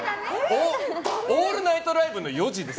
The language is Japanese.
オールナイトライブの４時です。